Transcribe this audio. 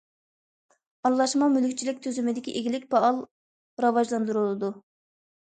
ئارىلاشما مۈلۈكچىلىك تۈزۈمىدىكى ئىگىلىك پائال راۋاجلاندۇرۇلىدۇ.